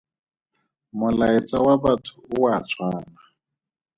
Molaetsa wa batho o a tshwana.